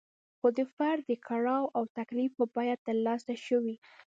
خو د فرد د کړاو او تکلیف په بیه ترلاسه شوې.